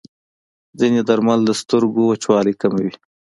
ځینې درمل د سترګو وچوالی کموي.